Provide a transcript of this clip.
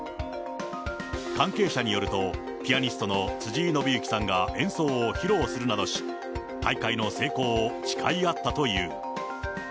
関係者によると、ピアニストの辻井伸行さんが演奏を披露するなどし、大会の成功を誓い合ったという。